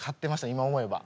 今思えば。